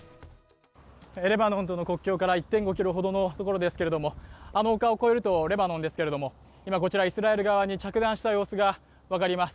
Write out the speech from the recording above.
レバノンとの国境から１．５ｋｍほどの場所ですがあの丘を越えるとレバノンですけれども、今、イスラエル側に着弾する様子が分かります。